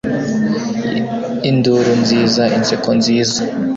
induru nziza, inseko nziza